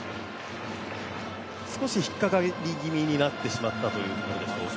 少し引っかかり気味になってしまったということでしょうか。